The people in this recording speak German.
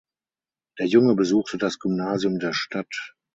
Der Junge besuchte das Gymnasium der Stadt.